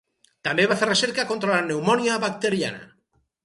També va fer recerca contra la pneumònia bacteriana.